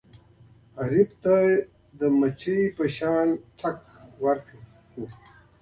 حریف ته د مچۍ په شان ټک ورکوه.